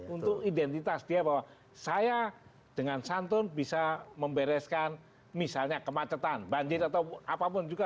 untuk identitas dia bahwa saya dengan santun bisa membereskan misalnya kemacetan banjir atau apapun juga